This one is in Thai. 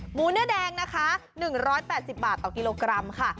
หมูเนื้อแดงนะคะ๑๘๐บาทต่อกิโลกรัมค่ะ